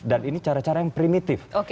dan ini cara cara yang primitif